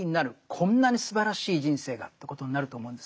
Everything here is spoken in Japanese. こんなにすばらしい人生がということになると思うんですね。